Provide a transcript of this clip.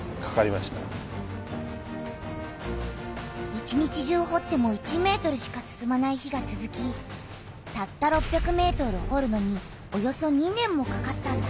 一日中ほっても１ｍしか進まない日がつづきたった６００ｍほるのにおよそ２年もかかったんだ。